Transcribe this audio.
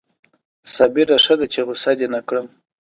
صابره ښه ده چې غصه دې نه کړم